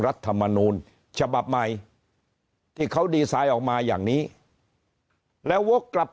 รัฐมนูลฉบับใหม่ที่เขาดีไซน์ออกมาอย่างนี้แล้ววกกลับ